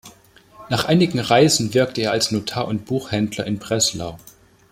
Nach einigen Reisen wirkte er als Notar und Buchhändler in Breslau.